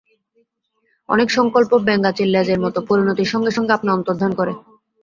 অনেক সংকল্প ব্যাঙাচির লেজের মতো, পরিণতির সঙ্গে সঙ্গে আপনি অন্তর্ধান করে।